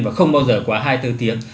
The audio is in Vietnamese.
và không bao giờ quá hai bốn tiếng